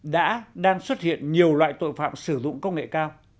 đã đang xuất hiện nhiều loại tội phạm sử dụng công nghệ cao